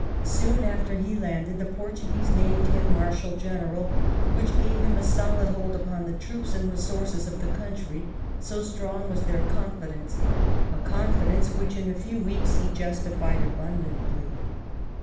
Soon after he landed the Portuguese named him Marshal General, which gave him a solid hold upon the troops and resources of the country: so strong was their confidence, a confidence which in a few weeks he justified abundantly.